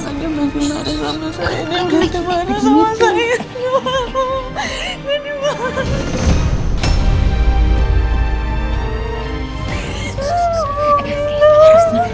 ini masih marah sama saya